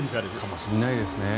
かもしれないですね。